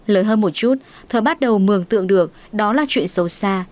lớn hơn một chút thờ bắt đầu mường tượng được đó là chuyện xấu xa